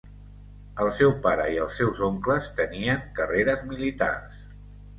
El seu pare i els seus oncles tenien carreres militars.